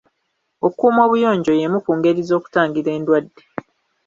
Okuuma obuyonjo y'emu ku ngeri z'okutangira endwadde.